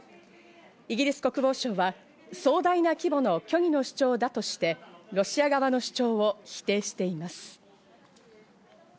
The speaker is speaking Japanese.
イギリス国防省は壮大な規模の虚偽の主張だとして、ロシア側の主張を否定しています。